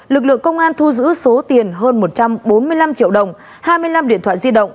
lực lượng công an thu giữ số tiền hơn một trăm bốn mươi năm triệu đồng hai mươi năm điện thoại di động